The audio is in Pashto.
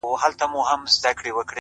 د سترگو کسي چي دي سره په دې لوگيو نه سي؛